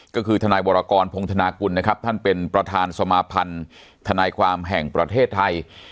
ก็คือทนายวรกรพงธนากุลนะครับท่านเป็นประธานสมาพันธ์ทนายความแห่งประเทศไทย